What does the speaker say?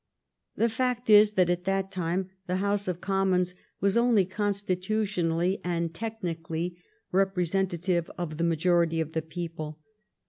The fact is that at that time the House of Commons was only constitutionally and techni cally representative of the majority of the people.